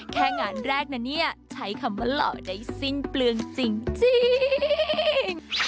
แค่งานแรกนะเนี่ยใช้คำว่าหล่อได้สิ้นเปลืองจริง